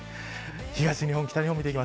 東日本、北日本です。